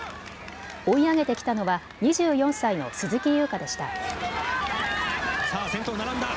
追い上げてきたのは２４歳の鈴木優花でした。